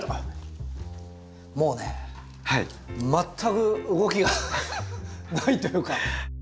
もうね全く動きがないというか。